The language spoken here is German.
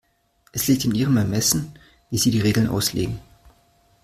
Es liegt in Ihrem Ermessen, wie Sie die Regeln auslegen.